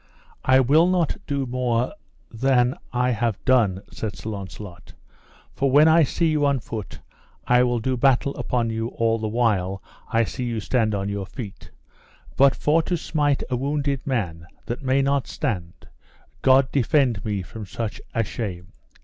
I will no more do than I have done, said Sir Launcelot, for when I see you on foot I will do battle upon you all the while I see you stand on your feet; but for to smite a wounded man that may not stand, God defend me from such a shame.